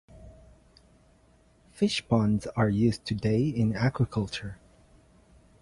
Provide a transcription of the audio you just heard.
Fish ponds are used today in aquaculture.